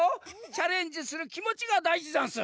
チャレンジするきもちがだいじざんす！